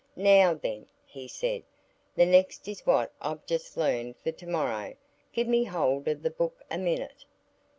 "Now, then," he said, "the next is what I've just learned for to morrow. Give me hold of the book a minute."